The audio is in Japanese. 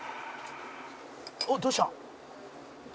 「おっどうした？」